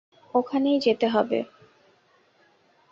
ওখানেই যেতে হবে।